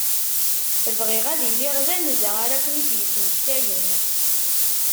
Bɣiɣ ad iliɣ d anza ara ken-id-yesmektayen.